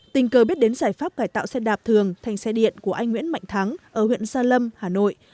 tình cờ biết đến giải pháp cải tạo xe đạp thường thành xe điện của anh nguyễn mạnh thắng ở huyện gia lâm hà nội